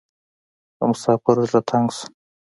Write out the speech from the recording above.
د مسافر زړه تنګ شو .